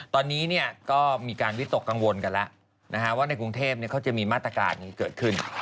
ตอนนี้ก็มีการวิตกกังวลกันแล้วว่าในกรุงเทพเขาจะมีมาตรการนี้เกิดขึ้น